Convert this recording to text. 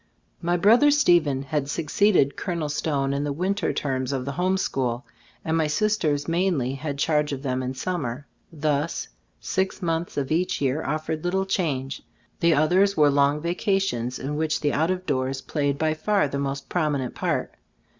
My brother Stephen had succeeded Col. Stone in the winter terms of the 99 99 Chelators of As Cbitftboob 30 home school, and my sisters mainly had charge of them in summer. Thus six months of each year offered little change, the others were long vaca tions in which the out of doors played by far the most prominent part.